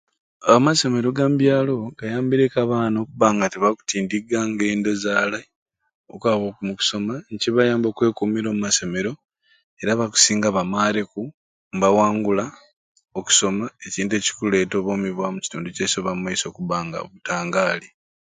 Amasomero ga mubyalo gayambireku abaana okuba nga tebakutindiga ngendo z'alai okwaba omu kusoma nekibayamba okwekumira omu masomero era abakusinga bamareku mbawangula okusoma ekintu ekikuleta obwimi bwabe omu kituntu kyaiswe obwamumaiso okuba nga butangaali